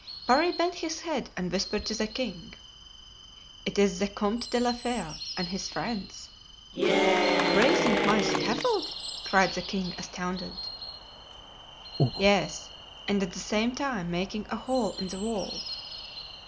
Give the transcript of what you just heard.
Parry bent his head and whispered to the king: "It is the Comte de la Fere and his friends." "Raising my scaffold!" cried the king, astounded. "Yes, and at the same time making a hole in the wall."